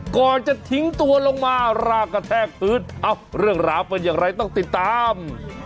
ก่อนจะทิ้งตัวลงมารากกระแทกพื้นเอ้าเรื่องราวเป็นอย่างไรต้องติดตาม